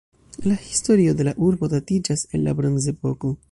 La historio de la urbo datiĝas el la Bronzepoko.